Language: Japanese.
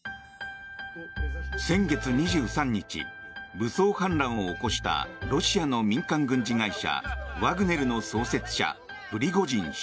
武装反乱を起こしたロシアの民間軍事会社ワグネルの創設者プリゴジン氏。